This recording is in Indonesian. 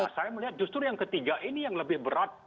nah saya melihat justru yang ketiga ini yang lebih berat